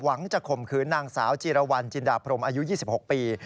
จะข่มขืนนางสาวจีรวรรณจินดาพรมอายุ๒๖ปี